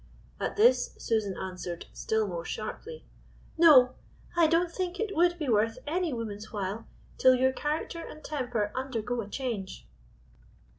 At this Susan answered still more sharply, "No, I don't think it would be worth any woman's while, till your character and temper undergo a change."